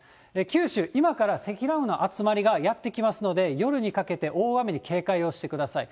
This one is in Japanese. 九州、今から積乱雲の集まりがやって来ますので、夜にかけて、大雨に警戒をしてください。